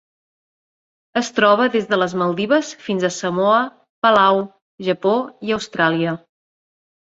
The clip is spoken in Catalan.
Es troba des de les Maldives fins a Samoa, Palau, Japó i Austràlia.